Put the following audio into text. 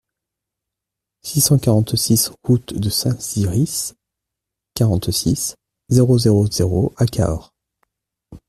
six cent quarante-six route de Saint-Cirice, quarante-six, zéro zéro zéro à Cahors